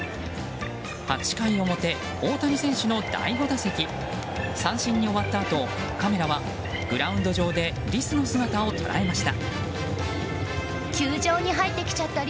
８回表、大谷選手の第５打席３３に終わったあとカメラはグラウンド上でリスの姿を捉えました。